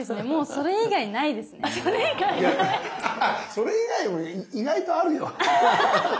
それ以外も意外とあるよ。